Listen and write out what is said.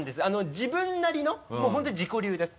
自分なりのもう本当に自己流です。